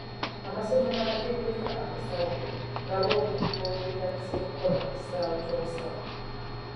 Amasomero agatendeka abasawo gabawa obukugu obwetaagisa okukola mu kisaawe ky'obusawo.